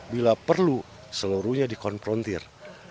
bila perlu seluruhnya dikonfrontir